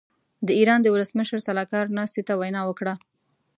د ايران د ولسمشر سلاکار ناستې ته وینا وکړه.